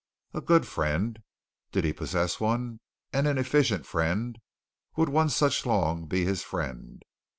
A good friend. Did he possess one? An inefficient friend? Would one such long be his friend?